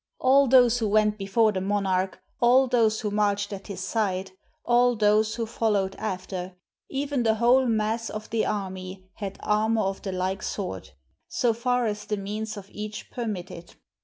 All those who went before the monarch, all those who marched at his side, all those who followed after, even the whole mass of the army had armor of the like sort, so far as the means of each permitted.